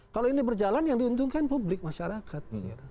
kalau ini berjalan yang diuntungkan publik masyarakat